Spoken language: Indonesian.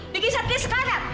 bikin satria sekarang